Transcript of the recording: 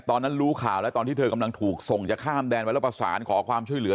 ตอนนั้นรู้ข่าวแล้วตอนที่เธอกำลังถูกส่งจะข้ามแดนไว้แล้วประสานขอความช่วยเหลือ